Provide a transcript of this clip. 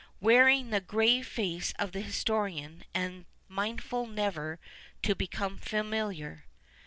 — wearing the grave face of the historian and mindful never to become familiar.